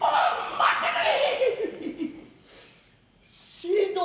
待ってくれ。